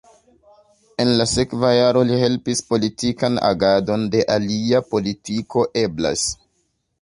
En la sekva jaro li helpis politikan agadon de Alia Politiko Eblas.